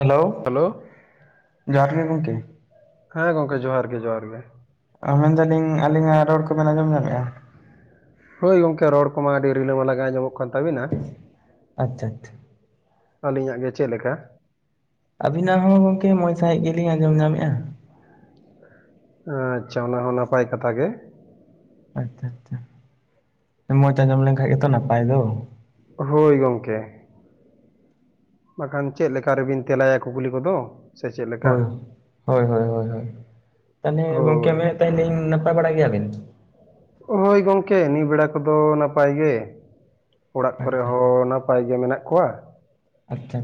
Hello hello ᱡᱚᱦᱟᱨ ᱜᱮ ᱜᱚᱢᱠᱮ᱾ ᱦᱮᱸ ᱜᱚᱝᱠᱮ ᱡᱚᱦᱟᱨ ᱜᱮ ᱡᱚᱦᱟᱨ ᱜᱮ᱾ ᱟ ᱢᱮᱱᱫᱟᱞᱤᱧ ᱟᱹᱞᱤᱧᱟᱜ ᱨᱚᱲ ᱠᱚᱵᱮᱱ ᱟᱸᱡᱚᱢ ᱧᱟᱢᱮᱜ-ᱟ᱾ ᱦᱳᱭ ᱜᱚᱢᱠᱮ ᱨᱚᱲ ᱠᱚᱢᱟ ᱟᱹᱰᱤ ᱨᱤᱞᱟᱹᱢᱟᱞᱟ ᱜᱮ ᱟᱸᱡᱚᱢᱚᱜ ᱠᱟᱱ ᱛᱟᱹᱵᱤᱱᱟ᱾ ᱟᱪᱪᱷᱟ ᱟᱪᱪᱷᱟ ᱟᱹᱞᱤᱧᱟᱜ ᱜᱮ ᱪᱮᱫ ᱞᱮᱠᱟ? ᱟᱵᱤᱱᱟᱜ ᱦᱚᱸ ᱜᱚᱝᱠᱮ ᱢᱚᱸᱡᱽ ᱥᱟᱺᱦᱤᱡ ᱜᱮᱞᱤᱧ ᱟᱸᱡᱚᱢ ᱧᱟᱢᱮᱫ-ᱟ᱾ ᱟᱪᱪᱷᱟ ᱚᱱᱟ ᱦᱚᱸ ᱱᱟᱯᱟᱭ ᱠᱟᱛᱷᱟ ᱜᱮ᱾ ᱟᱪᱪᱷᱟ ᱟᱪᱪᱷᱟ ᱢᱚᱡᱽ ᱟᱸᱡᱚᱢ ᱞᱮᱱᱠᱷᱟᱡ ᱜᱮᱸᱛᱚ ᱱᱟᱯᱟᱭ ᱫᱚ᱾ ᱦᱳᱭ ᱜᱚᱢᱠᱮ ᱵᱟᱠᱷᱟᱱ ᱪᱮᱫ ᱞᱮᱠᱟ ᱨᱮᱵᱮᱱ ᱛᱮᱞᱟᱭᱟ ᱠᱩᱠᱞᱤ ᱠᱚᱫᱚ᱾ ᱥᱮ ᱪᱮᱫ ᱞᱮᱠᱟ ᱦᱳᱭ ᱦᱳᱭ ᱦᱳᱭ ᱦᱳᱭ ᱛᱟᱦᱚᱞᱮ ᱜᱚᱢᱠᱮ ᱦᱳᱭ ᱢᱮᱱ ᱛᱟᱦᱮᱞᱤᱧ ᱱᱟᱯᱟᱭ ᱵᱟᱲᱟ ᱜᱮᱭᱟᱵᱤᱱ? ᱦᱳᱭ ᱜᱚᱢᱠᱮ ᱱᱤᱭᱟᱹ ᱵᱮᱲᱟ ᱠᱚᱫᱚ ᱱᱟᱯᱟᱭ ᱜᱮ ᱚᱲᱟᱜ ᱠᱚᱨᱮ ᱟᱪᱪᱷᱟ ᱦᱚᱸ ᱱᱟᱯᱟᱭ ᱜᱮ ᱢᱮᱱᱟᱜ ᱠᱚᱣᱟ᱾ ᱟᱪᱪᱷᱟ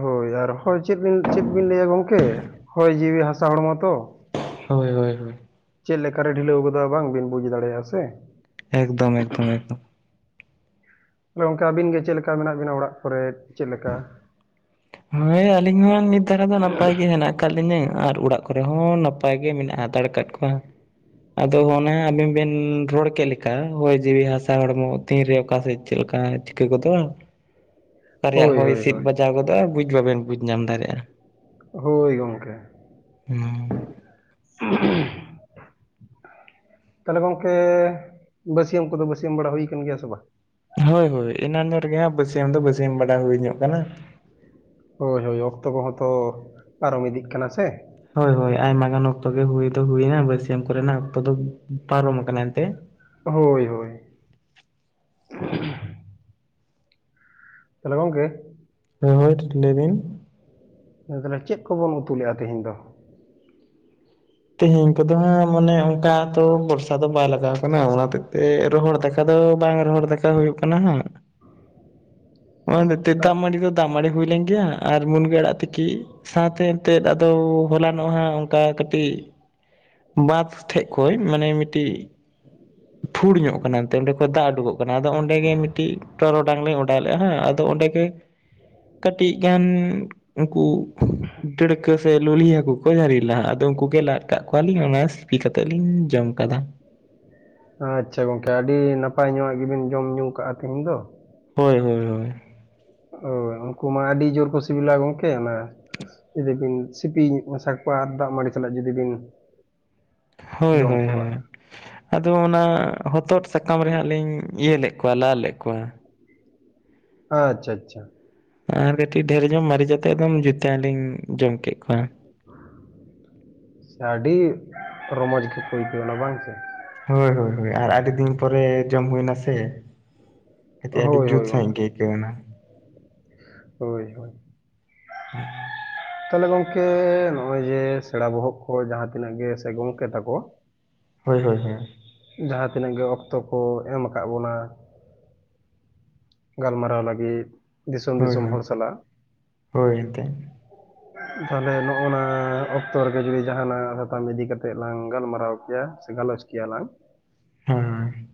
ᱦᱳᱭ ᱟᱨ ᱦᱚᱭ ᱪᱮᱫ ᱵᱤᱱ ᱪᱮᱫ ᱵᱤᱱ ᱞᱟᱹᱭᱟ ᱜᱚᱝᱠᱮ ᱦᱚᱭ ᱡᱤᱣᱤ ᱦᱟᱥᱟ ᱦᱚᱲ ᱢᱟᱛᱚ ᱦᱳᱭ ᱦᱳᱭ ᱦᱳᱭ ᱪᱮᱫ ᱞᱮᱠᱟ ᱨᱮ ᱰᱷᱤᱞᱟᱹᱣ ᱜᱚᱫᱚᱜ-ᱟ ᱵᱟᱝᱵᱤᱱ ᱵᱩᱡᱽ ᱫᱟᱲᱮᱭᱟᱜ-ᱟᱥᱮ᱾ ᱮᱠᱫᱚᱢ ᱮᱠᱫᱚᱢ ᱮᱠᱫᱚᱢ ᱜᱚᱝᱠᱮ ᱟᱹᱵᱤᱱ ᱜᱮ ᱪᱮᱫ ᱞᱮᱠᱟ ᱢᱮᱱᱟᱜ ᱵᱤᱱᱟ ᱚᱲᱟᱜ ᱠᱚᱨᱮᱫ? ᱦᱳᱭ ᱟᱹᱞᱤᱧ ᱢᱟ ᱱᱤᱛ ᱫᱷᱟᱨᱟ ᱫᱚ ᱱᱟᱯᱟᱭ ᱜᱮ ᱦᱮᱱᱟᱜ ᱟᱠᱟᱫ ᱞᱤᱧᱟᱹ ᱟᱨ ᱚᱲᱟᱜ ᱠᱚᱨᱮ ᱦᱚᱸ ᱱᱟᱯᱟᱭ ᱜᱮ ᱢᱮᱱᱟᱜ-ᱟ ᱦᱟᱛᱟᱲ ᱟᱠᱟᱫ ᱠᱚᱣᱟ᱾ ᱟᱫᱚ ᱚᱱᱮ ᱟᱵᱤᱱ ᱵᱤᱱ ᱨᱚᱲ ᱠᱮᱫ ᱞᱮᱠᱟ ᱦᱚᱭ ᱡᱤᱣᱤ ᱦᱟᱥᱟ ᱦᱚᱲᱢᱚ ᱛᱤᱱ ᱨᱮ ᱚᱠᱟᱥᱮᱫ ᱪᱮᱫ ᱞᱮᱠᱟ ᱪᱤᱠᱟᱹ ᱜᱚᱫᱚᱜ-ᱟ᱾ ᱚᱠᱟ ᱨᱮᱭᱟᱜ ᱦᱳᱭ ᱦᱚᱭ ᱦᱳᱭ ᱦᱤᱥᱤᱫ ᱦᱳᱭ ᱵᱟᱡᱟᱣ ᱜᱚᱫᱚᱜ-ᱟ ᱵᱩᱡᱽ ᱵᱟᱵᱮᱱ ᱵᱩᱡᱽ ᱧᱟᱢ ᱫᱟᱲᱮᱭᱟᱜ-ᱟ᱾ ᱦᱳᱭ ᱜᱚᱢᱠᱮ᱾ ᱦᱩᱸ [unintelligible] ᱛᱟᱦᱚᱞᱮ ᱜᱚᱝᱠᱮ ᱵᱟᱹᱥᱭᱟᱹᱢ ᱠᱚᱫᱚ ᱵᱟᱹᱥᱭᱟᱹᱢ ᱵᱟᱲᱟ ᱦᱩᱭ ᱠᱟᱱ ᱜᱮᱭᱟ ᱥᱮ ᱵᱟᱝ? ᱦᱳᱭ ᱦᱳᱭ ᱮᱱᱟᱱᱚᱜ ᱨᱮᱜᱮ ᱦᱟᱜ ᱵᱟᱹᱥᱭᱟᱹᱢ ᱫᱚ ᱵᱟᱹᱥᱭᱟᱹᱢ ᱵᱟᱲᱟ ᱦᱩᱭ ᱧᱚᱜ ᱠᱟᱱᱟ᱾ ᱦᱳᱭ ᱦᱳᱭ ᱚᱠᱛᱚ ᱠᱚᱦᱚᱸ ᱛᱚ ᱯᱟᱨᱚᱢ ᱤᱫᱤᱜ ᱠᱟᱱᱟ ᱥᱮ᱾ ᱦᱳᱭ ᱦᱳᱭ ᱟᱭᱢᱟ ᱜᱟᱱ ᱚᱠᱛᱚ ᱜᱮ ᱦᱩᱭ ᱫᱚ ᱦᱩᱭᱱᱟ ᱵᱟᱹᱥᱭᱟᱹᱢ ᱠᱚᱨᱮᱱᱟᱜ ᱚᱠᱛᱚ ᱫᱚ ᱯᱟᱨᱚᱢ ᱟᱠᱟᱱᱟ ᱮᱱᱛᱮ᱾ ᱦᱳᱭ ᱦᱳᱭ᱾ ᱛᱟᱞᱮ ᱜᱚᱝᱠᱮ? [unintelligible] ᱞᱮᱵᱤᱱ ᱦᱮ ᱛᱟᱦᱚᱞᱮ ᱪᱮᱫ ᱠᱚᱵᱚᱱ ᱩᱛᱩ ᱞᱮᱫᱼᱟ ᱛᱮᱦᱮᱧ ᱫᱚ? ᱛᱮᱦᱮᱧ ᱠᱚᱫᱚ ᱦᱟᱸᱜ ᱢᱟᱱᱮ ᱚᱱᱠᱟ ᱛᱚ ᱵᱚᱨᱥᱟ ᱫᱚ ᱵᱟᱭ ᱞᱟᱜᱟᱣ ᱟᱠᱟᱱᱟ ᱚᱱᱟ ᱦᱚᱛᱮᱡ ᱛᱮ ᱨᱚᱦᱚᱲ ᱫᱟᱠ ᱫᱟᱠᱟ ᱫᱚ ᱵᱟᱝ ᱨᱚᱦᱚᱲ ᱫᱟᱠᱟ ᱦᱩᱭᱩᱜ ᱠᱟᱱᱟ ᱦᱟᱜ᱾ ᱫᱟᱜ ᱟ- ᱢᱟᱹᱰᱤ ᱫᱚ ᱫᱟᱜ ᱢᱟᱲᱤ ᱦᱩᱭ ᱞᱮᱱ ᱜᱮᱭᱟ, ᱟᱨ ᱢᱩᱱᱜᱟᱹ ᱟᱲᱟᱜ ᱛᱮᱠᱤ ᱥᱟᱶᱛᱮ ᱮᱱᱛᱮᱫ ᱟᱫᱚ ᱦᱚᱞᱟᱱᱚᱜ ᱦᱟᱸᱜ ᱚᱱᱠᱟ ᱠᱟᱹᱴᱤᱡ ᱵᱟᱸᱫ ᱴᱷᱮᱡ ᱠᱷᱚᱡ ᱢᱟᱱᱮ ᱢᱤᱫᱴᱤᱡ ᱯᱷᱩᱲ ᱧᱚᱜ ᱠᱟᱱᱟ ᱮᱱᱛᱮ ᱚᱸᱰᱮ ᱠᱷᱚᱡ ᱫᱟᱜ ᱩᱰᱩᱠᱚᱜ ᱠᱟᱱᱟ, ᱟᱫᱚ ᱚᱸᱰᱮ ᱜᱮ ᱢᱤᱫᱴᱤᱡ ᱴᱚᱨᱚᱰᱟᱝ ᱞᱧ ᱚᱰᱟᱨ ᱞᱮᱫᱼᱟᱸ ᱟᱫᱚ ᱚᱸᱰᱮ ᱠᱟᱹᱴᱤᱡ ᱜᱟᱱ ᱩᱱᱠᱩ ᱰᱟᱹᱲᱠᱟᱹ ᱥᱮ ᱞᱩᱞᱤ ᱦᱟᱹ ᱠᱚ ᱡᱟᱹᱨᱤᱞᱟ᱾ ᱟᱫᱚ ᱩᱱᱠᱩ ᱜᱮ ᱞᱟᱫ ᱟᱠᱟᱫ ᱠᱚᱣᱟᱞᱤᱧ ᱚᱱᱟ ᱥᱤᱯᱤ ᱠᱟᱛᱮᱫ ᱞᱤᱧ ᱡᱚᱢ ᱠᱟᱫᱟ᱾ ᱟᱪᱪᱷᱟ ᱜᱚᱝᱠᱮ, ᱟᱹᱰᱤ ᱱᱟᱯᱟᱭ ᱧᱚᱜᱟᱜ ᱜᱮᱵᱤᱱ ᱡᱚᱢ-ᱧᱩ ᱠᱟᱜᱼᱟ ᱛᱤᱦᱤᱧ ᱫᱚ᱾ ᱦᱳᱭ ᱦᱳᱭ ᱦᱳᱭ ᱚᱳ ᱩᱱᱠᱩ ᱢᱟ ᱟᱹᱰᱤ ᱡᱳᱨ ᱠᱚ ᱥᱤᱵᱤᱞᱟ ᱜᱚᱝᱠᱮ ᱚᱱᱟ ᱡᱩᱫᱤ ᱵᱤᱱ ᱥᱤᱯᱤ ᱢᱮᱥᱟ ᱠᱳᱣᱭᱟ ᱟᱨ ᱫᱟᱜ-ᱢᱟᱹᱲᱤ ᱥᱟᱞᱟᱜ ᱡᱩᱫᱤ ᱵᱤᱱ ᱦᱳᱭ ᱡᱚᱢ ᱦᱳᱭ ᱠᱚᱜᱼᱟ ᱦᱳᱭ᱾ ᱟᱫᱚ ᱚᱱᱟ ᱦᱚᱛᱚᱫ ᱥᱟᱠᱟᱢ ᱨᱮᱦᱟᱸᱜ ᱞᱤᱧ ᱤᱭᱟᱹ ᱞᱮᱛ ᱠᱳᱣᱭᱟ ᱞᱟᱫᱽ ᱞᱮ ᱠᱳᱭᱟ᱾ ᱟᱪᱪᱷᱟ ᱟᱪᱪᱷᱟ᱾ ᱟᱨ ᱠᱟᱹᱴᱤᱡ ᱰᱷᱮᱨ ᱧᱚᱜ ᱢᱟᱨᱤᱪ ᱟᱛᱮᱛ ᱟᱫᱚᱢ ᱡᱩᱛᱟ ᱞᱤᱧ ᱡᱚᱢ ᱠᱮᱫ ᱠᱚᱣᱟ᱾ ᱥᱮ ᱟᱹᱰᱤ ᱨᱚᱢᱚᱡᱽ ᱜᱮᱠᱚ ᱟᱹᱭᱠᱟᱹᱣ ᱮᱱᱟ ᱵᱟᱝ ᱥᱮ? ᱦᱳᱭ ᱦᱳᱭ᱾ ᱟᱨ ᱟᱹᱰᱤ ᱫᱤᱱ ᱯᱚᱨᱮ ᱡᱚᱢ ᱦᱩᱭᱱᱟ ᱥᱮ᱾ ᱟᱹᱰᱤ ᱦᱳᱭ ᱡᱩᱛ ᱦᱳᱭ ᱥᱟᱹᱦᱤᱫ ᱜᱚᱝᱠᱮ ᱜᱮ ᱟᱹᱭᱠᱟᱹᱣ ᱱᱟ᱾ ᱦᱳᱭ ᱦᱳᱭ, [unintelligible] ᱛᱟᱦᱚᱞᱮ ᱜᱚᱢᱠᱮ ᱱᱚᱜᱼᱚᱭ ᱡᱮ ᱥᱮᱬᱟ ᱵᱚᱦᱚᱜ ᱠᱚ ᱡᱟᱦᱟᱸ ᱛᱤᱱᱟᱹᱜ ᱜᱮ ᱥᱮ ᱜᱚᱢᱠᱮ ᱛᱟᱠᱚ ᱦᱳᱭ ᱦᱳᱭ ᱦᱳ᱾ ᱡᱟᱦᱟᱸ ᱛᱤᱱᱟᱹᱜ ᱜᱮ ᱚᱠᱛᱚ ᱠᱚ ᱮᱢ ᱟᱠᱟᱫ ᱵᱚᱱᱟ ᱜᱟᱞᱢᱟᱨᱟᱣ ᱞᱟᱹᱜᱤᱫ ᱾ ᱦᱳᱭ ᱦᱳᱭ, ᱦᱳᱭ ᱮᱱᱛᱮᱫ ᱾ ᱛᱟᱦᱚᱞᱮ ᱱᱚᱜᱼᱚ ᱱᱟ ᱚᱠᱛᱚ ᱨᱮᱜᱮ ᱡᱩᱫᱤ ᱡᱟᱦᱟᱱᱟᱜ ᱥᱟᱛᱟᱢ ᱤᱫᱤ ᱠᱟᱛᱮ ᱞᱟᱝ ᱜᱟᱞᱢᱟᱨᱟᱣ ᱠᱮᱭᱟ ᱥᱮ ᱜᱟᱞᱚᱪ ᱠᱮᱭᱟ ᱜᱮᱭᱟ ᱞᱟᱝ᱾ ᱦᱮᱸ᱾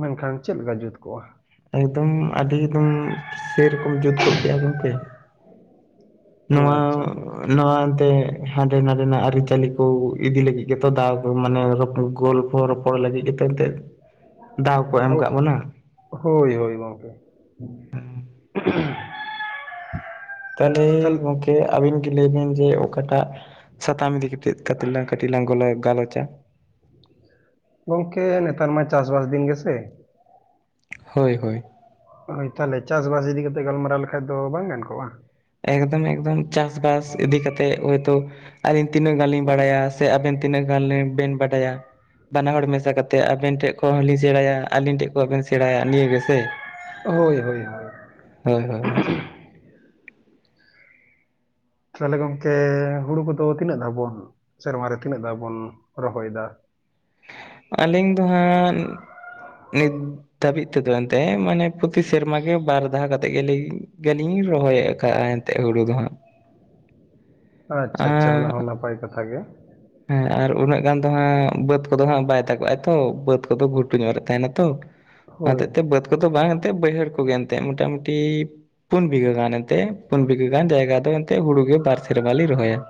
ᱢᱮᱱᱠᱷᱟᱱ ᱪᱮᱫ ᱞᱮᱠᱟ ᱡᱩᱛ ᱠᱚᱜᱼᱟ? ᱮᱠᱫᱚᱢ ᱟᱹᱰᱤ ᱮᱠᱫᱚᱢ ᱥᱮᱨᱚᱠᱚᱢ ᱡᱩᱛ ᱠᱚᱜ ᱠᱮᱭᱟ ᱜᱚᱝᱠᱮ᱾ ᱱᱚᱣᱟ ᱟᱪᱪᱷᱟ ᱱᱚᱣᱟ ᱮᱱᱛᱮ ᱦᱟᱸᱰᱮ ᱱᱟᱰᱮᱱᱟᱜ ᱟᱹᱨᱤᱪᱟᱹᱞᱤ ᱠᱚ ᱤᱫᱤ ᱞᱟᱹᱜᱤᱫ ᱜᱮᱛᱚ ᱫᱟᱜ ᱢᱟᱱᱮᱚ ᱜᱳᱞ ᱨᱚ ᱨᱚᱯᱚᱲ ᱞᱟᱹᱜᱤᱫ ᱜᱮᱛᱚ ᱮᱱᱛᱜ ᱫᱟᱣ ᱠᱚ ᱮᱢ ᱟᱠᱟᱫ ᱵᱚᱱᱟ᱾ ᱦᱳᱭ ᱦᱳᱭ ᱜᱚᱢᱠᱮ᱾ ᱛᱟᱦᱚᱞᱮ ᱜᱚᱝᱠᱮ ᱟᱵᱤᱱ ᱜᱮ ᱞᱟᱹᱭ ᱵᱤᱱ ᱡᱮ ᱚᱠᱟᱴᱟᱜ ᱥᱟᱛᱟᱢ ᱤᱫᱤ ᱛᱮᱛ ᱠᱟᱛᱮᱪ ᱠᱟᱹᱴᱞᱟᱝ ᱜᱟᱞᱚᱪᱟ? ᱜᱚᱝᱠᱮ ᱱᱮᱛᱟᱨ ᱢᱟ ᱪᱟᱥᱵᱟᱥ ᱫᱤᱱ ᱜᱮ ᱥᱮ? ᱦᱳᱭ ᱦᱳᱭ, ᱦᱳᱭ ᱛᱟᱦᱚᱞᱮ ᱪᱟᱥ-ᱵᱟᱥ ᱤᱫᱤ ᱠᱟᱛᱮᱫ ᱜᱟᱞᱢᱟᱨᱟᱣ ᱞᱮᱠᱷᱟᱡ ᱫᱚ ᱵᱟᱝ ᱜᱟᱱ ᱠᱚᱜᱼᱟ? ᱮᱠᱫᱚᱢ ᱮᱠᱫᱚᱢ, ᱪᱟᱥᱵᱟᱥ ᱤᱫᱤ ᱠᱟᱛᱮᱜ ᱳᱭᱛᱳ ᱟᱹᱞᱤᱧ ᱛᱤᱱᱟᱹᱜ ᱜᱟᱱ ᱞᱤᱧ ᱵᱟᱲᱟᱭᱟ, ᱥᱮ ᱟᱵᱮᱱ ᱛᱤᱱᱟᱹᱜ ᱜᱟᱱ ᱵᱮᱱ ᱵᱟᱰᱟᱭᱟ ᱵᱟᱱᱟ ᱦᱚᱲ ᱢᱮᱥᱟ ᱠᱟᱛᱮ ᱟᱵᱮᱱ ᱴᱷᱮᱱ ᱠᱷᱚᱱ ᱦᱚᱸ ᱞᱤᱧ ᱥᱮᱬᱟᱭᱟ ᱟᱹᱞᱤᱧ ᱴᱷᱮᱱ ᱠᱷᱚᱱ ᱵᱮᱱ ᱥᱮᱬᱟᱭᱟ ᱱᱤᱭᱟᱹ ᱜᱮ ᱥᱮ? ᱦᱳᱭ ᱦᱳᱭ ᱦᱳᱭ, ᱦᱳᱭ ᱦᱳᱭ ᱦᱳᱭ, ᱛᱟᱦᱚᱞᱮ ᱜᱚᱝᱠᱮ ᱦᱩᱲᱩ ᱠᱚᱫᱚ ᱛᱤᱱᱟᱹᱜ ᱫᱷᱟᱣ ᱵᱚᱱ ᱥᱮᱨᱢᱟ ᱨᱮ ᱛᱤᱱᱟᱹᱜ ᱫᱷᱟᱣ ᱵᱚᱱ ᱨᱚᱦᱚᱭ ᱫᱟ? ᱟᱹᱞᱤᱧ ᱫᱚ ᱦᱟᱸᱜ ᱱᱤᱛ ᱫᱷᱟᱹᱵᱤᱡ ᱛᱮᱫᱚ ᱮᱱᱛᱮᱜ ᱢᱟᱱᱮ, ᱯᱚᱛᱤ ᱥᱮᱨᱢᱟ ᱜᱮ ᱵᱟᱨ ᱫᱷᱟᱣ ᱠᱟᱛᱮᱫ ᱜᱮᱞᱤᱧ ᱜᱮᱞᱤᱧ ᱨᱚᱦᱚᱭ [unintelligible] ᱟᱠᱟᱫᱼᱟ ᱮᱱᱛᱮᱜ ᱦᱩᱲᱩ ᱫᱚ ᱦᱟᱸᱜ ᱾ ᱟᱪᱪᱷᱟ ᱟᱪᱪᱷᱟ, ᱚᱱᱟ ᱦᱚᱸ ᱱᱟᱯᱟᱭ ᱠᱟᱛᱷᱟ ᱜᱮ ᱾ ᱦᱮᱸ ᱟᱨ ᱩᱱᱟᱹᱜ ᱜᱟᱱ ᱫᱚ ᱦᱟᱸᱜ ᱵᱟᱹᱫᱽ ᱠᱚᱫᱚ ᱦᱟᱸᱜ ᱵᱟᱭ ᱛᱟᱜᱚᱜᱟᱭ ᱛᱚ ᱵᱟᱹᱫᱽ ᱠᱚᱫᱚ ᱜᱷᱩᱴᱩ ᱧᱚᱜ ᱨᱮ ᱛᱟᱦᱮᱱᱟ ᱛᱚ ᱾ ᱚᱱᱟ ᱦᱳᱭ ᱦᱚᱛᱮᱫ ᱛᱮ ᱵᱟᱹᱫᱽ ᱠᱚᱫᱚ ᱵᱟᱝ ᱮᱱᱛᱮᱫ ᱵᱟᱹᱭᱦᱟᱹᱲ ᱠᱚᱜᱮ ᱮᱱᱛᱮᱫ ᱢᱚᱴᱟᱢᱩᱴᱤ ᱯᱩᱱ ᱵᱤᱜᱷᱟᱹ ᱜᱟᱱ ᱮᱱᱛᱮ ᱯᱩᱱ ᱵᱤᱜᱷᱟᱹ ᱜᱟᱱ ᱡᱟᱭᱜᱟ ᱫᱚ ᱮᱱᱛᱮ ᱦᱩᱲᱩ ᱜᱮ ᱵᱟᱨ ᱥᱮᱨᱢᱟ ᱞᱤᱧ ᱨᱚᱦᱚᱭᱟ ᱾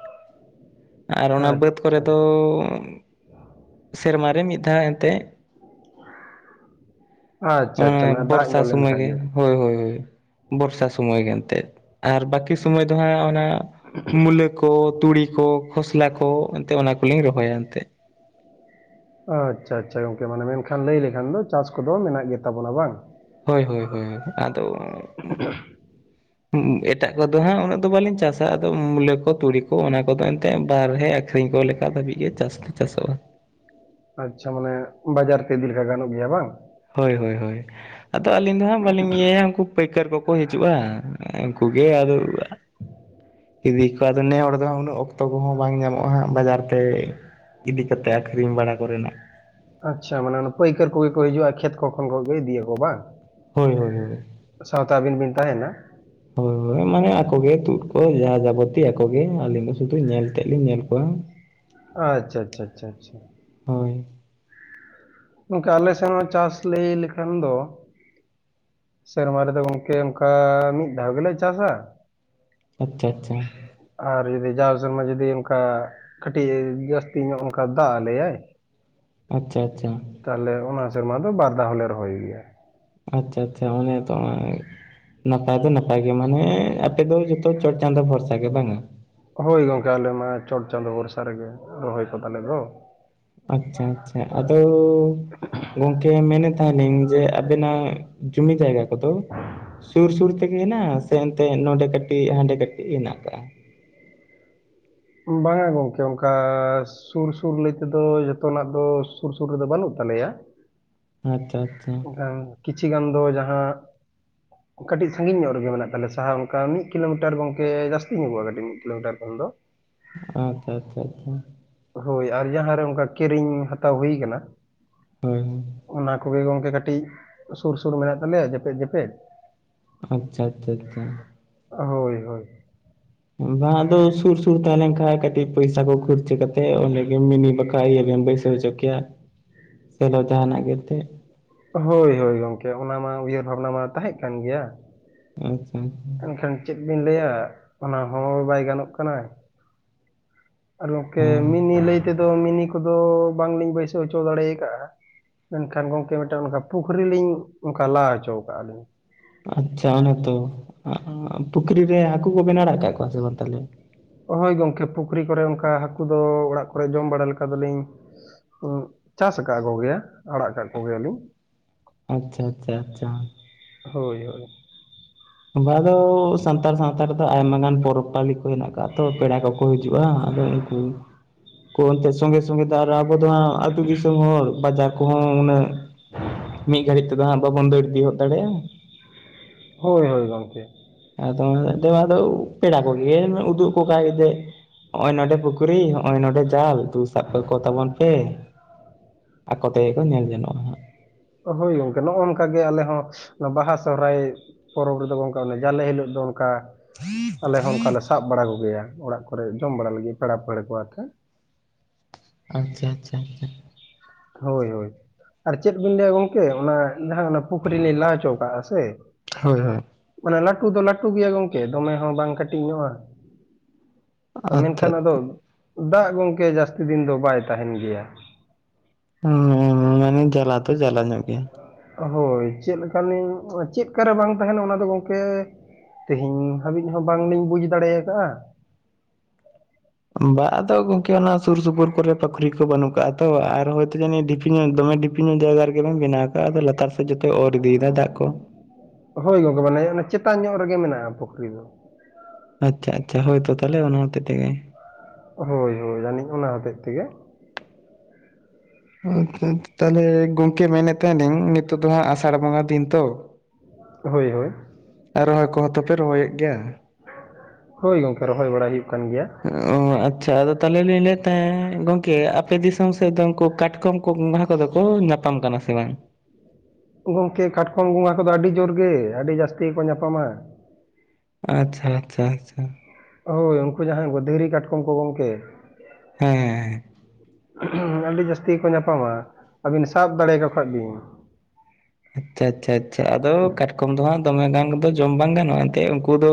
ᱟᱨ ᱚᱱᱟ ᱵᱟᱹᱫᱽ ᱠᱚᱨᱮ ᱟᱪᱪᱷᱟ ᱫᱚ ᱥᱮᱨᱢᱟ ᱨᱮ ᱢᱤᱫ ᱫᱷᱟᱣ ᱮᱱᱛᱮᱫ ᱟᱪᱪᱷᱟ ᱚᱱᱮ ᱟᱪᱪᱷᱟ ᱢᱟᱱᱮ ᱫᱟᱜ ᱵᱚᱨᱥᱟ ᱧᱚᱜ ᱥᱚᱢᱚᱭ ᱞᱮᱱᱠᱷᱟᱡ ᱜᱮ ᱾ ᱦᱳᱭ ᱦᱳᱭ ᱵᱚᱨᱥᱟ ᱥᱳᱢᱳᱭ ᱜᱮ ᱮᱱᱛᱮᱫ, ᱟᱨ ᱵᱟᱠᱤ ᱥᱩᱢᱳᱭ ᱫᱚ ᱦᱟᱸᱜ ᱚᱱᱟ ᱢᱩᱞᱟᱹ ᱠᱚ, ᱛᱩᱲᱤ ᱠᱚ, ᱠᱷᱚᱥᱞᱟ ᱠᱚ ᱮᱱᱛᱮ ᱚᱱᱟ ᱠᱚᱞᱤᱧ ᱨᱚᱦᱚᱭᱟ ᱮᱱᱛᱮᱜ᱾ ᱟᱪᱪᱷᱟ ᱟᱪᱪᱷᱟ ᱜᱚᱝᱠᱮ ᱢᱟᱱᱮ ᱢᱮᱱᱠᱷᱟᱱ ᱞᱟᱹᱭ ᱞᱮᱠᱷᱟᱱ ᱫᱚ ᱪᱟᱥ ᱠᱚᱫᱚ ᱢᱮᱱᱟᱜ ᱜᱮᱛᱟ ᱵᱚᱱᱟ ᱵᱟᱝ? ᱦᱳᱭ ᱦᱳᱭ ᱦᱳᱭ ᱟᱫᱚ [inaudible] [unintelligible] ᱮᱴᱟᱜ ᱠᱚᱫᱚ ᱦᱟᱸᱜ ᱩᱱᱟᱹᱜ ᱫᱚ ᱵᱟᱞᱤᱧ ᱪᱟᱥᱟ ᱟᱫᱚ ᱢᱩᱞᱟᱹ ᱠᱚ, ᱛᱩᱲᱤ ᱠᱚ, ᱚᱱᱟ ᱠᱚᱫᱚ ᱮᱱᱛᱮ ᱵᱟᱨᱦᱮ ᱟᱠᱷ ᱠᱷᱨᱤᱧ ᱠᱚ ᱞᱮᱠᱟ ᱫᱷᱟᱹᱵᱤᱡ ᱜᱮ ᱪᱟᱥ ᱫᱚ ᱪᱟᱥᱚᱜᱼᱟ᱾ ᱟᱪᱪᱷᱟ ᱢᱟᱱᱮ ᱵᱟᱡᱟᱨ ᱛᱮ ᱤᱫᱤ ᱞᱮᱠᱟ ᱜᱟᱱᱚᱜ ᱜᱮᱭᱟ ᱵᱟᱝ? ᱦᱳᱭ ᱦᱳᱭ ᱦᱳᱭ, ᱟᱫᱚ ᱟᱹᱞᱤᱧ ᱫᱚ ᱦᱟᱸᱜ ᱵᱟᱹᱞᱤᱧ ᱤᱭᱟᱹᱭᱟ ᱩᱝᱠᱩ ᱯᱟᱹᱭ ᱠᱟᱹᱨ ᱠᱚᱠᱚ ᱦᱤᱡᱩᱜᱼᱟ, ᱩᱝᱠᱩ ᱜᱮ ᱟᱫᱚ ᱤᱫᱤ ᱠᱚᱣᱟ ᱟᱫᱚ ᱱᱮ ᱦᱚᱲ ᱫᱚ ᱩᱱᱟᱹᱜ ᱚᱠᱛᱚ ᱠᱚᱦᱚᱸ ᱵᱟᱝ ᱧᱟᱢᱚᱜ-ᱟ ᱦᱟᱸᱜ ᱵᱟᱡᱟᱨ ᱛᱮ ᱤᱫᱤ ᱠᱟᱛᱮ ᱟᱠᱷᱨᱤᱧ ᱵᱟᱲᱟ ᱠᱚᱨᱮᱱᱟᱜ᱾ ᱟᱪᱪᱷᱟ ᱢᱟᱱᱮ ᱚᱱᱟ ᱯᱟᱹᱭᱠᱟᱹᱨ ᱠᱚᱜᱮ ᱠᱚ ᱦᱤᱡᱩᱜᱼᱟ ᱠᱷᱮᱛ ᱠᱚ ᱠᱷᱚᱱ ᱠᱚᱜ ᱜᱮ ᱤᱫᱤᱭᱟᱠᱚ ᱵᱟᱝ? ᱦᱳᱭ ᱦᱳᱭ ᱦᱳᱭ᱾ ᱥᱟᱶᱛᱮ ᱟᱹᱵᱤᱱ ᱵᱤᱱ ᱛᱟᱦᱮᱱᱟ ᱦᱳᱭ ᱦᱳᱭ ᱢᱟᱱᱮ ᱟᱠᱚ ᱜᱮ ᱛᱩᱫ ᱠᱚ ᱡᱟᱦᱟᱸ ᱡᱟᱵᱚᱛᱤ ᱟᱠᱚ ᱜᱮ, ‌ᱟᱹᱞᱤᱧ ᱫᱚ ᱥᱩᱫᱩ ᱧᱮᱞ ᱛᱮᱫ ᱞᱤᱧ ᱧᱮᱞ ᱠᱚᱣᱟ, ᱟᱪᱪᱷᱟ ᱟᱪᱪᱷᱟ ᱟᱪᱪᱷᱟ ᱟᱪᱪᱷᱟ ᱦᱳᱭ᱾ ᱜᱚᱝᱠᱮ ᱟᱞᱮ ᱥᱮᱱ ᱦᱚᱸ ᱪᱟᱥ ᱞᱟᱹᱭ ᱞᱮᱠᱷᱟᱱ ᱫᱚ ᱥᱮᱨᱢᱟ ᱨᱮᱫᱚ ᱜᱚᱝᱠᱮ ᱚᱝᱠᱟ ᱢᱤᱫ ᱫᱷᱟᱣ ᱜᱮᱞᱮ ᱪᱟᱥᱟ᱾ ᱟᱪᱪᱷᱟ ᱟᱪᱪᱷᱟ᱾ ᱟᱨ ᱡᱩᱫᱤ ᱡᱟᱣ ᱥᱮᱨᱢᱟ ᱡᱩᱫᱤ ᱚᱝᱠᱟ ᱠᱟᱹᱴᱤᱡ ᱡᱟᱹᱥᱛᱤ ᱧᱚᱜ ᱚᱝᱠᱟ ᱫᱟᱜ ᱟᱞᱮᱭᱟᱭ, ᱟᱪᱪᱷᱟ ᱟᱪᱪᱷᱟ᱾ ᱛᱟᱦᱞᱭᱮ ᱚᱱᱟ ᱥᱮᱨᱢᱟ ᱫᱚ ᱵᱟᱨ ᱫᱷᱟᱣ ᱦᱚᱸᱞᱮ ᱨᱚᱦᱚᱭ ᱜᱮᱭᱟ᱾ ᱟᱪᱪᱷᱟ ᱟᱪᱪᱷᱟ ᱚᱱᱮ ᱛᱚ ᱚᱱᱟ ᱜᱮ᱾ ᱱᱟᱯᱟᱭ ᱫᱚ ᱱᱟᱯᱟᱭ ᱜᱮ ᱢᱟᱱᱮ ᱟᱯᱮ ᱫᱚ ᱡᱚᱛᱚ ᱪᱚᱴ ᱪᱟᱸᱫᱚ ᱵᱷᱚᱨᱥᱟ ᱜᱮ ᱵᱟᱝᱟ? ᱦᱳᱭ ᱜᱚᱝᱠᱮ ᱟᱞᱮ ᱢᱟ ᱪᱚᱴ ᱪᱟᱸᱫᱳ ᱵᱷᱚᱨᱥᱟ ᱨᱮᱜᱮ ᱨᱚᱦᱚᱭ ᱠᱚ ᱛᱟᱞᱮ ᱫᱚ᱾ ᱟᱪᱪᱷᱟ ᱟᱪᱪᱷᱟ ᱟᱫᱚ ᱜᱚᱝᱠᱮ ᱢᱮᱱᱮᱫ ᱛᱟᱦᱮᱸᱱᱤᱧ ᱡᱮ ᱟᱵᱮᱱᱟᱜ ᱡᱩᱢᱤ ᱡᱟᱭᱜᱟ ᱠᱚᱫᱚ ᱥᱩᱨ ᱥᱩᱨ ᱛᱮᱜᱮ ᱦᱮᱱᱟᱜᱼᱟ ᱥᱮ ᱚᱱᱛᱮ ᱱᱚᱰᱮ ᱠᱟᱹᱴᱤᱡ ᱦᱟᱸᱰᱮ ᱠᱟᱹᱴᱤᱡ ᱦᱮᱱᱟᱜ ᱠᱟᱜᱼᱟ? ᱵᱟᱝᱟ ᱜᱚᱝᱠᱮ ᱚᱝᱠᱟ ᱥᱩᱨ ᱥᱩᱨ ᱞᱟᱹᱭ ᱛᱮᱫᱚ ᱡᱚᱛᱚᱱᱟᱜ ᱫᱚ ᱥᱩᱨ ᱥᱩᱨ ᱨᱮᱫᱚ ᱵᱟᱹᱱᱩᱜ ᱛᱟᱞᱮᱭᱟ, ᱟᱪᱪᱷᱟ ᱟᱪᱪᱷᱟ᱾ ᱠᱤᱪᱷᱤ ᱜᱟᱱ ᱫᱚ ᱡᱟᱦᱟᱸ [unintelligible] [inaudible] ᱠᱟᱹᱴᱤᱡ ᱥᱟᱺᱜᱤᱧ ᱧᱚᱜ ᱨᱮᱜᱮ ᱢᱮᱱᱟᱜ ᱛᱟᱞᱮ, ᱥᱟᱦᱟ ᱚᱝᱠᱟ ᱢᱤᱫ ᱠᱤᱞᱳ ᱢᱤᱴᱟᱨ ᱜᱚᱝᱠᱮ ᱡᱟᱹᱥᱛᱤ ᱧᱚᱜᱚᱜᱼᱟ ᱠᱟᱹᱴᱤᱡ ᱢᱤᱫ ᱠᱤᱞᱳ ᱢᱤᱴᱟᱨ ᱠᱷᱚᱱ ᱫᱚ᱾ ᱟᱪᱪᱷᱟ ᱟᱪᱪᱷᱟ ᱟᱪᱪᱷᱟ᱾ ᱦᱳᱭ ᱟᱨ ᱡᱟᱦᱟᱸ ᱨᱮ ᱚᱝᱠᱟ ᱠᱤᱨᱤᱧ ᱦᱟᱛᱟᱣ ᱦᱩᱭ ᱠᱟᱱᱟ, ᱦᱳᱭ ᱦᱳᱭ ᱚᱱᱟ ᱠᱚᱜᱮ ᱜᱚᱝ ᱠᱮ ᱠᱟᱹᱴᱤᱡ, ᱥᱳᱨ ᱥᱳᱨ ᱢᱮᱱᱟᱜ ᱛᱟᱞᱮᱭᱟ ᱡᱮᱯᱮᱫ ᱡᱮᱯᱮᱫ, ᱟᱪᱪᱷᱟ ᱟᱪᱪᱷᱟ ᱟᱪᱪᱷᱟ᱾ ᱦᱳᱭ ᱦᱳᱭ᱾ ᱵᱟᱝ ᱟᱫᱚ ᱥᱩᱨ ᱥᱩᱨ ᱛᱟᱦᱮᱸ ᱞᱮᱱ ᱠᱷᱟᱡ ᱠᱟᱹᱴᱤᱡ ᱯᱚᱭᱥᱟ ᱠᱚ ᱠᱷᱚᱨᱪᱟᱹ ᱠᱟᱛᱮᱜ ᱚᱸᱰᱮ ᱜᱮ ᱢᱤᱱᱤ ᱵᱟ [unintelligible] ᱵᱮᱱ ᱵᱟᱹᱭᱥᱚᱣ ᱦᱚᱪᱚ ᱠᱮᱭᱟ, ᱥᱮᱞᱳ ᱡᱟᱦᱟᱸᱱᱟᱜ ᱜᱮᱛᱮᱫ᱾ ᱦᱳᱭ ᱦᱳᱭ ᱜᱚᱝᱠᱮ ᱚᱱᱟ ᱢᱟ ᱩᱭᱦᱟᱹᱨ ᱵᱷᱟᱵᱽᱱᱟ ᱢᱟ ᱛᱟᱦᱮᱸᱜ ᱠᱟᱱ ᱜᱮᱭᱟ, ᱟᱪᱪᱷᱟ ᱟᱪᱪᱷᱟ᱾ ᱮᱱᱠᱷᱟᱱ ᱪᱮᱫ ᱵᱤᱱ ᱞᱟᱹᱭᱟ, ᱚᱱᱟ ᱦᱚᱸ ᱵᱟᱭ ᱜᱟᱱᱚᱜ ᱠᱟᱱᱟᱭ᱾ ᱟᱨ ᱜᱚᱢᱠᱮ ᱦᱚᱸ ᱢᱤᱱᱤ ᱞᱟᱹᱭ ᱛᱮᱫᱚ ᱢᱤᱱᱤ ᱠᱚᱫᱚ ᱵᱟᱝᱞᱤᱧ ᱵᱟᱹᱭᱥᱟᱹᱣ ᱦᱚᱪᱚ ᱫᱟᱲᱮ ᱠᱟᱜᱼᱟ᱾ ᱢᱮᱱᱠᱷᱟᱱ ᱜᱚᱢᱠᱮ ᱢᱤᱫᱴᱮᱱ ᱚᱱᱠᱟ ᱯᱩᱠᱷᱨᱤ ᱞᱤᱧ ᱚᱱᱠᱟ ᱞᱟ ᱦᱚᱪᱚ ᱠᱟᱜᱼᱟ ᱞᱤᱧ᱾ ᱟᱪᱪᱷᱟ ᱚᱱᱮ ᱛᱚ ᱯᱩᱠᱷᱨᱤ ᱨᱮ ᱦᱟᱹᱠᱩ ᱠᱚᱵᱮᱱ ᱟᱲᱟᱜ ᱟᱠᱟᱫ ᱠᱚᱣᱟ ᱥᱮ ᱵᱟᱝ ᱛᱟᱦᱚᱞᱮ? ᱦᱳᱭ ᱜᱚᱢᱠᱮ ᱯᱩᱠᱷᱨᱤ ᱠᱚᱨᱮ ᱚᱱᱠᱟ ᱦᱟᱹᱠᱩ ᱫᱚ ᱚᱲᱟᱜ ᱠᱚᱨᱮᱜ ᱡᱚᱢ ᱵᱟᱲᱟ ᱞᱮᱠᱟ ᱫᱚᱞᱤᱧ ᱪᱟᱥ ᱠᱟᱜ ᱠᱚᱜᱮᱭᱟ ᱟᱲᱟᱜ ᱠᱟᱜ ᱠᱚ ᱠᱚᱜᱮᱭᱟ ᱞᱤᱧ᱾ ᱟᱪᱪᱷᱟ ᱟᱪᱪᱷᱟ ᱟᱪᱪᱷᱟ᱾ ᱦᱳᱭ ᱦᱳᱭ᱾ ᱚᱱᱟ ᱫᱚ ᱥᱟᱱᱛᱟᱲ ᱥᱟᱶᱛᱟ ᱨᱮᱫᱚ ᱟᱭᱢᱟ ᱜᱟᱱ ᱯᱚᱨᱚᱵᱽ ᱯᱟᱹᱞᱤ ᱠᱚ ᱦᱮᱸᱱᱟᱜ ᱠᱟᱜᱼᱟ ᱛᱚ ᱯᱮᱲᱟ ᱠᱚᱠᱚ ᱦᱤᱡᱩᱜᱼᱟ ᱟᱫᱚ ᱦᱩᱸ᱾ ᱠᱚ ᱮᱱᱛᱮ ᱥᱚᱸᱜᱮ ᱥᱚᱸᱜᱮ ᱛᱮ ᱟᱨ ᱟᱵᱚ ᱫᱚ ᱦᱟᱸᱜ ᱟᱹᱛᱩ ᱫᱤᱥᱚᱢ ᱦᱚᱲ ᱵᱟᱡᱟᱨ ᱠᱚᱦᱚᱸ ᱩᱱᱟᱹᱜ ᱢᱤᱫ ᱜᱷᱟᱹᱲᱤᱡ ᱛᱮᱫᱚ ᱦᱟᱸᱜ ᱵᱟᱵᱚᱱ ᱫᱟᱹᱲ ᱤᱫᱤ ᱦᱚᱫ ᱫᱟᱲᱮᱭᱟᱜᱼᱟ᱾ ᱦᱳᱭ ᱦᱳᱭ ᱜᱚᱢᱠᱮ᱾ ᱟᱫᱚ [unintelligible] ᱟᱫᱚ ᱯᱮᱲᱟ ᱠᱚᱜᱮ ᱩᱫᱩᱜ ᱟᱠᱚ ᱠᱷᱟᱡ ᱡᱮ ᱦᱚᱸᱜᱼᱚᱭ ᱱᱚᱰᱮ ᱯᱩᱠᱷᱨᱤ ᱦᱚᱸᱜᱚᱭ ᱱᱚᱰᱮ ᱡᱟᱞ ᱫᱩ ᱥᱟᱵ ᱠᱟᱠᱚ ᱛᱟᱵᱚᱱ ᱯᱮ᱾ ᱟᱠᱚ ᱛᱮᱜᱮ ᱠᱚ ᱧᱮᱞ ᱡᱚᱱᱚᱜᱼᱟ ᱦᱟᱸᱜ᱾ ᱦᱳᱭ ᱜᱚᱝᱠᱮ ᱱᱚᱸᱜᱼᱚᱭ ᱱᱚᱝᱠᱟ ᱜᱮ ᱟᱞᱮ ᱦᱚᱸ ᱵᱟᱦᱟ ᱥᱚᱦᱚᱨᱟᱭ ᱯᱚᱨᱚᱵᱽ ᱨᱮᱫᱚ ᱚᱱᱠᱟᱜ ᱡᱟᱞᱮ ᱦᱤᱞᱳᱜ ᱫᱚ ᱚᱱ ᱠᱟ ᱟᱞᱮ ᱦᱚᱸ ᱚᱱᱠᱟ ᱞᱮ ᱥᱟᱵ ᱵᱟᱲᱟ ᱠᱚᱜᱮᱭᱟ ᱚᱲᱟᱜ ᱠᱚᱨᱮ ᱡᱚᱢ ᱵᱟᱲᱟ ᱞᱟᱹᱜᱤᱫ ᱯᱮᱲᱟ ᱯᱟᱹᱲᱦᱟᱹ ᱠᱚ ᱟᱛᱮ᱾ ᱟᱪᱪᱷᱟ ᱪᱷᱟ ᱪᱷᱟ᱾ ᱦᱳᱭ ᱦᱳᱭ ᱟᱨ ᱪᱮᱫ ᱵᱤᱱ ᱞᱟᱹᱭᱟ ᱜᱚᱢᱠᱮ ᱚᱱᱟ ᱡᱟᱦᱟᱸ ᱚᱱᱟ ᱯᱩᱠᱷᱨᱤ ᱞᱤᱧ ᱞᱟ ᱦᱚᱪᱚ ᱠᱟᱜᱼᱟ ᱥᱮ ᱦᱳᱭ ᱦᱳᱭ ᱢᱟᱱᱮ ᱞᱟᱹᱴᱩ ᱫᱚ ᱞᱟᱹᱴᱩ ᱜᱮᱭᱟ ᱜᱚᱝᱠᱮ ᱫᱚᱢᱮ ᱦᱚᱸ ᱵᱟᱝ ᱠᱟᱹᱴᱤᱡ ᱧᱚᱜᱼᱟ᱾ ᱟᱪᱪᱷᱟ ᱢᱮᱱᱠᱷᱟᱱ ᱟᱫᱚ ᱟᱪᱪᱷᱟ ᱫᱟᱜ ᱜᱚᱝᱠᱮ ᱡᱟᱹᱥᱛᱤ ᱫᱤᱱ ᱫᱚ ᱵᱟᱭ ᱛᱟᱦᱮᱸᱱ ᱜᱮᱭᱟ᱾ ᱦᱩᱸ ᱢᱟᱱᱮ ᱡᱟᱞᱟ ᱛᱚ ᱡᱟᱞᱟ ᱧᱚᱜ ᱜᱮᱭᱟ᱾ ᱦᱳᱭ ᱪᱮᱫ ᱞᱮᱠᱟᱱᱤᱧ ᱪᱮᱫᱠᱟᱨᱮ ᱵᱟᱝ ᱛᱟᱦᱮᱸᱱᱟ ᱚᱱᱟᱫᱚ ᱜᱚᱢᱠᱮ ᱛᱮᱦᱮᱧ ᱦᱟᱹᱵᱤᱡ ᱦᱚᱸ ᱵᱟᱝ ᱞᱤᱧ ᱵᱩᱡ ᱫᱟᱲᱮ ᱠᱟᱜᱼᱟ᱾ ᱵᱟ ᱟᱫᱚ ᱜᱚᱝᱠᱮ ᱚᱱᱟ ᱥᱩᱨ ᱥᱩᱯᱩᱨ ᱠᱚᱨᱮ ᱯᱩᱠᱷᱨᱤ ᱠᱚ ᱵᱟᱹᱱᱩᱜ ᱠᱟᱜᱼᱟ ᱛᱚ ᱟᱨ ᱦᱚᱭᱛᱚ ᱡᱟᱱᱤᱡ ᱰᱷᱤᱯᱤ ᱧᱚᱜ ᱫᱚᱢᱮ ᱰᱷᱤ ᱯᱤ ᱧᱚᱜ ᱡᱟᱭᱜᱟ ᱨᱮᱜᱮᱵᱮᱱ ᱵᱮᱱᱟᱣ ᱠᱟᱫᱼᱟ, ᱟᱫᱚ ᱞᱟᱛᱟᱨ ᱥᱮᱫ ᱡᱷᱚᱛᱚᱭ ᱚᱨ ᱤᱫᱤᱭᱫᱟ ᱫᱟᱜ ᱠᱚ᱾ ᱦᱳᱭ ᱜᱚᱝᱠᱮ ᱢᱟᱱᱮ ᱚᱱᱟ ᱪᱮᱛᱟᱱ ᱧᱚᱜ ᱨᱮᱜᱮ ᱢᱮᱱᱟᱜᱼᱟ ᱯᱩᱠᱷᱨᱤ ᱫᱚ᱾ ᱟᱪᱪᱷᱟ ᱟᱪᱪᱷᱟ ᱦᱳᱭ ᱛᱚ ᱛᱟᱦᱚᱞᱮ ᱚᱱᱟ ᱦᱚᱛᱮᱡ ᱛᱮᱜᱮ᱾ ᱦᱳᱭ ᱦᱳᱭ ᱡᱟᱹᱱᱤᱡ ᱚᱱᱟ ᱦᱚᱛᱮᱡ ᱛᱮᱜᱮ᱾ [unintelligible] ᱛᱟᱦᱚᱞᱮ ᱜᱚᱝᱠᱮ ᱢᱮᱱᱮᱫ ᱛᱟᱦᱮᱸᱱᱤᱧ ᱱᱤᱛᱳ ᱫᱚ ᱦᱟᱸᱜ ᱟᱥᱟᱲ ᱵᱚᱸᱜᱟ ᱫᱤᱱ ᱛᱚ, ᱦᱳᱭ ᱦᱳᱭ᱾ ᱟᱨ ᱨᱚᱦᱚᱭ ᱠᱚᱦᱚᱸ ᱛᱚᱯᱮ ᱨᱚᱦᱚᱭᱮᱫ ᱜᱮᱭᱟ᱾ ᱦᱳᱭ ᱜᱚᱝᱠᱮ ᱨᱚᱦᱚᱭ ᱵᱟᱲᱟ ᱦᱩᱭᱩᱜ ᱠᱟᱱ ᱜᱮᱭᱟ᱾ ᱚ ᱟᱪᱪᱷᱟ ᱟᱫᱚ ᱛᱟᱦᱚᱞᱮ ᱞᱤᱧ ᱞᱟᱹᱭᱮᱫ ᱛᱟᱦᱮᱸᱫ ᱜᱚᱢᱠᱮ ᱟᱯᱮ ᱫᱤᱥᱚᱢ ᱥᱮᱫ ᱫᱚ ᱩᱱᱠᱩ ᱠᱟᱴᱠᱚᱢ ᱠᱚ [unintelligible] ᱠᱚᱫᱚ ᱠᱚ ᱧᱟᱯᱟᱢ ᱠᱟᱱᱟ ᱥᱮ ᱵᱟᱝ? ᱜᱚᱢᱠᱮ ᱠᱟᱴᱠᱚᱢ ᱜᱚᱸᱜᱟ ᱠᱚᱫᱚ ᱟᱹᱰᱤ ᱡᱳᱨ ᱜᱮ ᱟᱹᱰᱤ ᱡᱟᱹᱥᱛᱤ ᱜᱮᱠᱚ ᱧᱟᱯᱟᱢᱟ᱾ ᱟᱪᱪᱷᱟ ᱪᱷᱟ ᱪᱷᱟ᱾ ᱦᱳᱭ ᱩᱱᱠᱩ ᱡᱟᱦᱟᱸᱭ ᱫᱷᱤᱨᱤ ᱠᱟᱴᱠᱚᱢ ᱠᱚ ᱜᱚᱢᱠᱮ᱾ ᱦᱮᱸ ᱦᱮᱸ ᱦᱮᱸ᱾ ᱟᱹᱰᱤ ᱡᱟᱹᱥᱛᱤ ᱠᱚ ᱧᱟᱯᱟᱢᱟ ᱟᱹᱵᱤᱱ ᱥᱟᱵ ᱫᱟᱲᱮᱭᱟᱠᱚ ᱠᱷᱟᱡ ᱵᱤᱱ ᱟᱪᱪᱷᱟ ᱟᱪᱪᱷᱟ ᱟᱪᱪᱷᱟ ᱟᱫᱚ ᱠᱟᱴᱠᱚᱢ ᱫᱚ ᱦᱟᱸᱜ ᱫᱚᱢᱮ ᱜᱟᱱ ᱫᱚ ᱡᱚᱢ ᱵᱟᱝ ᱜᱟᱱᱚᱜᱼᱟ ᱮᱱᱛᱜ ᱩᱱᱠᱩ ᱫᱚ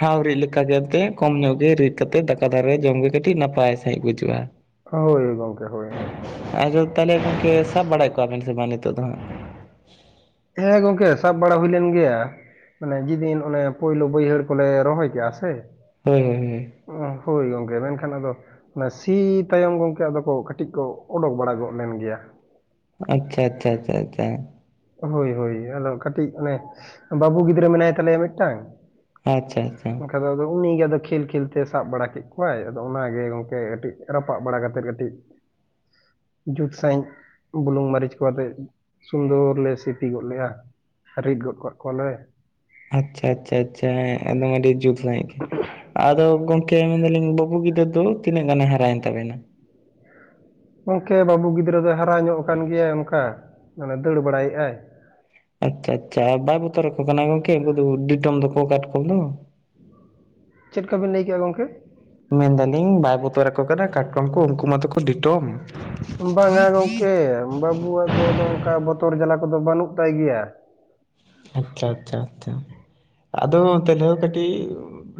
ᱦᱟᱣ ᱨᱤᱫ ᱞᱮᱠᱟ [unintelligible] ᱠᱚᱢ ᱧᱚᱜ ᱜᱮ ᱨᱤᱫ ᱠᱟᱛᱮ ᱫᱟᱠᱟ ᱫᱷᱟᱨᱮ ᱨᱮ ᱡᱚᱢ ᱜᱮ ᱠᱟᱹᱴᱤᱡ ᱱᱟᱯᱟᱭ ᱥᱟᱺᱦᱤᱡ ᱵᱩᱡᱩᱜᱼᱟ᱾ ᱦᱳᱭ ᱜᱚᱢᱠᱮ ᱦᱳᱭ ᱦᱳᱭ᱾ ᱟᱫᱚ ᱛᱟᱦᱚᱞᱮ ᱜᱚᱢᱠᱮ ᱥᱟᱵ ᱵᱟᱲᱟᱭᱮᱜ ᱠᱚᱣᱟ ᱵᱤᱱ ᱥᱮ ᱵᱟᱝ ᱱᱤᱛᱚᱜ ᱫᱚ ᱦᱟᱸᱜ? ᱦᱮᱸ ᱜᱚᱝᱠᱮ ᱥᱟᱵ ᱵᱟᱲᱟ ᱦᱩᱭ ᱞᱮᱱ ᱜᱮᱭᱟ᱾ ᱢᱟᱱᱮ ᱡᱮᱫᱤᱱ ᱚᱱᱮ ᱯᱳᱭᱞᱳ ᱵᱟᱹᱭᱦᱟᱹᱲ ᱠᱚᱞᱮ ᱨᱚᱦᱚᱭ ᱠᱮᱫ-ᱟ ᱥᱮ? ᱦᱩᱸ ᱦᱩᱸ᱾ ᱚᱸ ᱦᱳᱭ ᱜᱚᱝᱠᱮ ᱢᱮᱱᱠᱷᱟᱱ ᱟᱫᱚ, ᱚᱱᱮ ᱥᱤ ᱛᱟᱭᱚᱢ ᱜᱚᱢᱠᱮ ᱟᱫᱚ ᱠᱚ ᱠᱟᱹᱴᱤᱡ ᱠᱚ ᱚᱰᱳᱠ ᱵᱟᱲᱟ ᱜᱚᱫ ᱞᱮᱱ ᱜᱮᱭᱟ᱾ ᱟᱪᱪᱷᱟ ᱟᱪᱪᱷᱟ ᱟᱪᱪᱷᱟ ᱟᱪᱪᱷᱟ᱾ ᱦᱳᱭ ᱦᱳᱭ ᱟᱫᱚ ᱠᱟᱹᱴᱤᱡ ᱚᱱᱮ ᱵᱟᱹᱵᱩ ᱜᱤᱫᱽᱨᱟᱹ ᱢᱮᱱᱟᱭ ᱛᱟᱞᱮᱭᱟ ᱢᱤᱫᱴᱟᱝ᱾ ᱟᱪᱪᱷᱟ ᱟᱪᱪᱷᱟ᱾ ᱟᱫᱚ ᱟᱫᱚ ᱩᱱᱤᱜᱮ ᱟᱫᱚ ᱠᱷᱮᱞ ᱠᱷᱮᱞᱛᱮ ᱥᱟᱵ ᱵᱟᱲᱟ ᱠᱮᱫ ᱠᱚᱣᱟᱭ ᱟᱫᱚ ᱚᱱᱟᱜᱮ ᱜᱚᱢᱠᱮ ᱠᱟᱹᱴᱤᱡ ᱨᱟᱯᱟᱜ ᱵᱟᱲᱟ ᱠᱟᱛᱮᱫ ᱠᱟᱹᱴᱤᱡ, ᱡᱩᱛ ᱥᱟᱺᱦᱤᱡ ᱵᱩᱞᱩᱝ ᱢᱟᱹᱨᱤᱪ ᱠᱚ ᱟᱛᱮᱜ ᱥᱩᱱᱫᱚᱨ, ᱞᱮ ᱥᱤᱯᱤ ᱜᱚᱫ ᱞᱮᱭᱟ ᱨᱤᱫ ᱜᱚᱫ ᱠᱚᱜ ᱠᱚᱣᱟᱞᱮ᱾ ᱟᱪᱪᱷᱟ ᱟᱪᱪᱷᱟ ᱟᱪᱪᱷᱟ ᱦᱮᱸ ᱮᱠᱫᱚᱢ ᱟᱹᱰᱤ ᱡᱩᱛ ᱥᱟᱺᱦᱤᱡ ᱜᱮ᱾ ᱟᱫᱚ ᱜᱚᱢᱠᱮ ᱢᱮᱱᱫᱟᱹᱞᱤᱧ ᱵᱟᱹᱵᱩ ᱜᱤᱫᱟᱹ ᱫᱚ ᱛᱤᱱᱟᱹᱜ ᱜᱟᱱᱮ ᱦᱟᱨᱟᱭᱮᱱ ᱛᱟᱵᱮᱱᱟ? ᱜᱚᱝᱠᱮ ᱵᱟᱹᱵᱩ ᱜᱤᱫᱽᱨᱟᱹ ᱫᱚᱭ ᱦᱟᱨᱟ ᱧᱚᱜ ᱟᱠᱟᱱ ᱜᱮᱭᱟᱭ ᱚᱱᱠᱟ ᱢᱟᱱᱮ ᱫᱟᱹᱲ ᱵᱟᱲᱟᱭᱮᱫ ᱟᱭ᱾ ᱟᱪᱪᱷᱟ ᱟᱪᱪᱷᱟ ᱵᱟᱭ ᱵᱚᱛᱚᱨ ᱨᱟᱠᱚ ᱠᱟᱱᱟ ᱜᱚᱢᱠᱮ ᱩᱱᱠᱚ ᱫᱚᱠᱚ ᱰᱤᱴᱟᱹᱢ ᱫᱚᱠᱚ ᱠᱟᱴᱠᱚᱢ ᱫᱚ᱾ ᱪᱮᱫ ᱠᱚᱵᱤᱱ ᱞᱮᱭ ᱠᱮᱜ-ᱟ ᱜᱚᱢᱠᱮ? ᱢᱮᱱᱫᱟᱹᱞᱤᱧ ᱵᱟᱭ ᱵᱚᱛᱚᱨ ᱟᱠᱚ ᱠᱟᱱᱟ ᱠᱟᱴᱠᱚᱢ ᱠᱚ ᱩᱱᱠᱩ ᱢᱟᱛᱚᱠᱚ ᱰᱤᱴᱳᱢ? ᱵᱟᱝᱟ ᱜᱚᱝᱠᱮ ᱵᱟᱹᱵᱩᱣᱟᱜ ᱫᱚ ᱚᱱᱠᱟ ᱵᱚᱛᱚᱨ ᱡᱟᱞᱟ ᱠᱚᱫᱚ ᱵᱟᱹᱱᱩᱜ ᱛᱟᱭ ᱜᱮᱭᱟ᱾ ᱟᱪᱪᱷᱟ ᱟᱪᱪᱷᱟ ᱟᱪᱪᱷᱟ, ᱟᱫᱚ ᱛᱟᱦᱚᱞᱮ ᱠᱟᱹᱴᱤᱡ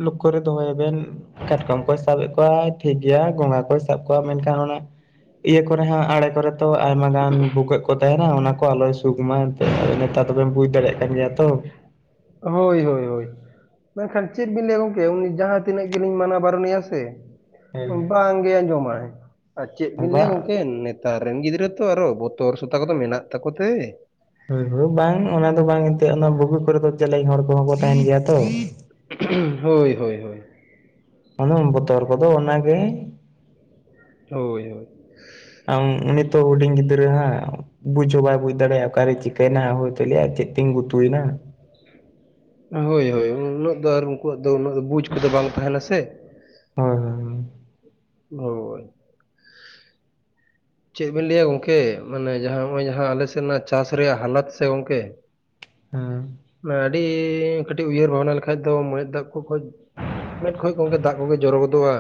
ᱞᱚᱠᱠᱷᱚ ᱨᱮ ᱫᱚᱦᱚᱭᱮᱵᱮᱱ᱾ ᱠᱟᱴᱠᱚᱢ ᱠᱚᱭ ᱥᱟᱵᱮᱫ ᱠᱚᱣᱟ᱾ ᱴᱷᱤᱠ ᱜᱮᱭᱟ ᱜᱚᱸᱜᱟ ᱠᱚᱭ ᱥᱟᱵ ᱠᱚᱣᱟ ᱢᱮᱱᱠᱷᱟᱱ ᱚᱱᱟ ᱤᱭᱟᱹ ᱠᱚᱨᱮ ᱦᱚᱸ ᱟᱲᱮ ᱠᱚᱨᱮ, ᱛᱚ ᱟᱭᱢᱟ ᱜᱟᱱ ᱵᱩᱜᱟᱹᱜ ᱠᱚ ᱛᱟᱦᱮᱱᱟ ᱚᱱᱟ ᱠᱚ ᱟᱞᱚᱭ ᱥᱩᱠ ᱢᱟ ᱮᱱᱛᱮ ᱱᱮᱛᱟᱨ ᱫᱚᱚᱵᱮᱱ ᱵᱩᱡᱽ ᱫᱟᱲᱮᱭᱟᱜ ᱠᱟᱱᱟ᱾ ᱯᱟᱸᱡᱟ ᱛᱚ ᱦᱳᱭ ᱦᱳᱭ ᱦᱳᱭ᱾ ᱢᱮᱱᱠᱷᱟᱱ ᱪᱮᱫ ᱵᱤᱱ ᱞᱟᱹᱭᱟ ᱜᱚᱝᱠᱮ ᱩᱱᱤ ᱡᱟᱦᱟᱸ ᱛᱤᱱᱟᱹᱜ ᱜᱮᱞᱤᱧ ᱢᱟᱱᱟ ᱵᱟᱨᱚᱱᱮᱭᱟ ᱥᱮ? ᱦᱮᱸ ᱵᱟᱝᱜᱮ ᱟᱸᱡᱚᱢᱟᱭ ᱟᱨ ᱪᱮᱫ ᱵᱤᱱ ᱞᱟᱹᱭᱟ ᱵᱟᱝ ᱜᱚᱢᱠᱮ ᱱᱤᱛ, ᱱᱮᱛᱟᱨ ᱨᱮᱱ ᱜᱤᱫᱽᱨᱟᱹ ᱛᱚ ᱟᱨᱦᱚ ᱵᱚᱛᱚᱨ ᱥᱚᱛᱟ ᱠᱚᱫᱚ ᱢᱮᱱᱟᱜ ᱛᱟᱠᱚ ᱛᱮ? ᱦᱩᱭ ᱫᱚ ᱵᱟᱝ ᱚᱱᱟ ᱫᱚ ᱵᱟᱝ ᱮᱱᱛᱮᱜ ᱚᱱᱟ ᱵᱷᱩᱜᱟᱹᱜ ᱠᱚᱨᱮ ᱫᱚ ᱪᱮᱞᱮᱧ ᱦᱚᱲ ᱠᱚᱦᱚᱸ ᱠᱚ ᱛᱟᱦᱮᱱ ᱜᱮᱭᱟ ᱛᱚ᱾ ᱦᱳᱭ ᱦᱳᱭ ᱦᱳᱭ᱾ ᱦᱩᱱᱟᱹᱝ ᱵᱚᱛᱚᱨ ᱠᱚᱫᱚ ᱚᱱᱟᱜᱮ᱾ ᱦᱳᱭ ᱦᱳᱭ᱾ ᱟᱢ ᱩᱱᱤ ᱛᱚ ᱦᱩᱰᱤᱧ ᱜᱤᱫᱽᱨᱟᱹ ᱦᱟᱸᱜ᱾ ᱵᱩᱡ ᱦᱚ ᱵᱟᱭ ᱵᱩᱡ ᱫᱟᱲᱮᱭᱟᱜ-ᱟ ᱚᱠᱟᱨᱮ ᱪᱤᱠᱟᱹᱭᱮᱱᱟ ᱦᱳᱭ ᱛᱚ ᱞᱟᱹᱭ ᱟᱭ ᱟᱨ ᱪᱮᱫ ᱛᱤᱧ ᱜᱩᱛᱩᱭᱮᱱᱟ᱾ ᱦᱳᱭ ᱦᱳᱭ ᱩᱱᱟᱹᱜ ᱫᱚ ᱟᱨ ᱩᱱᱠᱩᱣᱟᱜ ᱫᱚ ᱩᱱᱟᱹᱜ ᱵᱩᱡ ᱠᱚᱫᱚ ᱵᱟᱝ ᱛᱟᱦᱮᱱᱟ ᱥᱮ? ᱦᱳᱭ ᱦᱳᱭ ᱦᱳᱭ᱾ ᱦᱳᱭ᱾ ᱪᱮᱫ ᱵᱮᱱ ᱞᱟᱹᱭᱟ ᱜᱚᱝᱠᱮ ᱢᱟᱱᱮ ᱡᱟᱦᱟᱸ ᱱᱚᱜ ᱚᱭ ᱡᱟᱦᱟᱸ ᱟᱞᱮᱥᱮᱫ ᱨᱮᱱᱟᱜ ᱪᱟᱥ ᱨᱮᱭᱟᱜ ᱦᱟᱞᱚᱛ ᱥᱮ ᱜᱚᱝᱠᱮ? ᱦᱮᱸ ᱢᱟᱱᱮ ᱟᱹᱰᱤ ᱠᱟᱹᱴᱤᱡ ᱩᱭᱦᱟᱹᱨ ᱵᱷᱟᱵᱽᱱᱟ ᱞᱮᱠᱷᱟᱡ ᱫᱚ ᱢᱚᱦᱮᱛ ᱛᱟ ᱠᱚ ᱠᱷᱚᱡ᱾ ᱢᱮᱫ ᱠᱷᱚᱡ ᱜᱚᱝᱠᱮ ᱫᱟᱜ ᱠᱚᱜᱮ ᱡᱚᱨᱚ ᱜᱚᱫᱚᱜ-ᱟ᱾